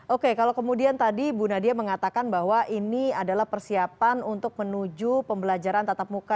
oke kalau kemudian tadi bu nadia mengatakan bahwa ini adalah persiapan untuk menuju pembelajaran tatap muka